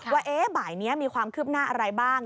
ว่าบ่ายนี้มีความคืบหน้าอะไรบ้าง